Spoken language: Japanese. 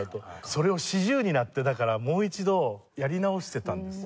それを４０になってだからもう一度やり直してたんですよ。